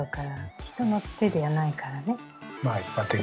人の手ではないからね。